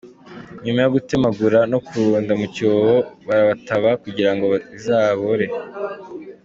Nyuma yo gutemagura no kurunda mu cyobo barataba kugira ngo bizabore.